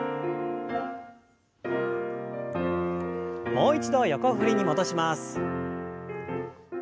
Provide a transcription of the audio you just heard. もう一度横振りに戻します。